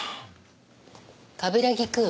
冠城くん。